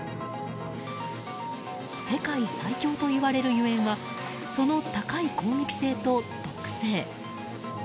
世界最凶といわれるゆえんはその高い攻撃性と毒性。